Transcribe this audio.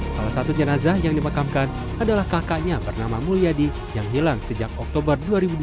salah satu jenazah yang dimakamkan adalah kakaknya bernama mulyadi yang hilang sejak oktober dua ribu dua puluh